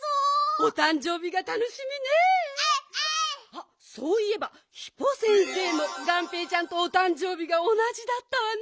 あっそういえばヒポ先生もがんぺーちゃんとおたんじょうびがおなじだったわね。